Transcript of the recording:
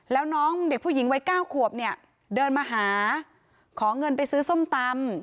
แล้วน้องเด็กผู้หญิงวัย๙ขวบเนี่ยเดินมาหาขอเงินไปซื้อส้มตำ